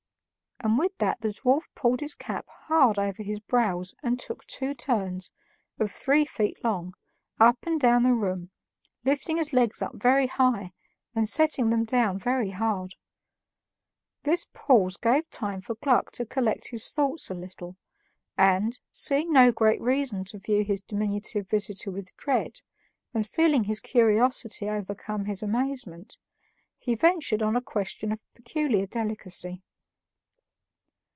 And with that the dwarf pulled his cap hard over his brows and took two turns, of three feet long, up and down the room, lifting his legs up very high and setting them down very hard. This pause gave time for Gluck to collect his thoughts a little, and, seeing no great reason to view his diminutive visitor with dread, and feeling his curiosity overcome his amazement, he ventured on a question of peculiar delicacy.